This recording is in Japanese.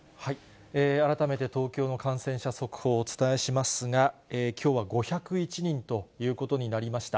改めて東京の感染者、速報をお伝えしますが、きょうは５０１人ということになりました。